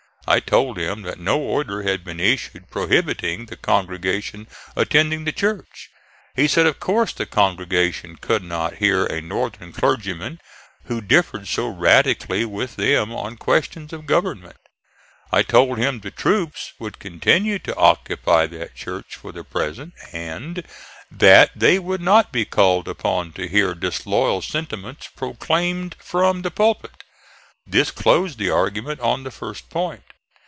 I told him that no order had been issued prohibiting the congregation attending the church. He said of course the congregation could not hear a Northern clergyman who differed so radically with them on questions of government. I told him the troops would continue to occupy that church for the present, and that they would not be called upon to hear disloyal sentiments proclaimed from the pulpit. This closed the argument on the first point.